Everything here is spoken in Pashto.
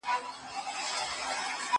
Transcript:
زه اوږده وخت د سبا لپاره د ليکلو تمرين کوم!